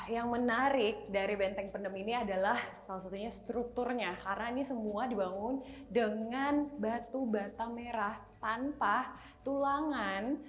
yang menarik dari benteng pendem ini adalah salah satunya strukturnya karena ini semua dibangun dengan batu batam merah tanpa tulangan